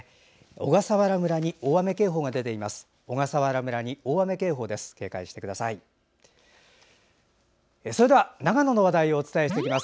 小笠原村に大雨警報が出ています。